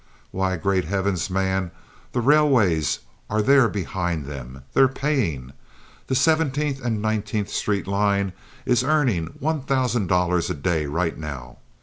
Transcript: Why, great heavens, man, the railways are there behind them. They're paying. The Seventeenth and Nineteenth Street line is earning one thousand dollars a day right now.